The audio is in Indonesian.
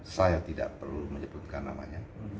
saya tidak perlu menyebutkan namanya